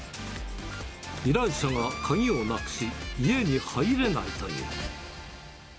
依頼者が鍵をなくし、家に入れないという。